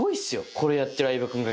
これやってる相葉君が。